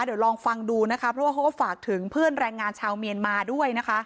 เดี๋ยวลองฟังดูนะคะเพราะว่าเขาก็ฝากถึงเพื่อนแรงงานชาวเมียนมาด้วยนะคะ